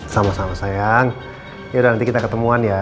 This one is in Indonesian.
sama sama sayang yaudah nanti kita ketemuan ya